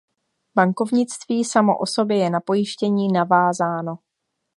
Bankovnictví samo o sobě je na pojištění navázáno.